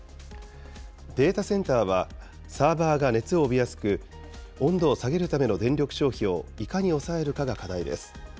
データセンターは、サーバーが熱を帯びやすく、温度を下げるための電力消費をいかに抑えるかが課題です。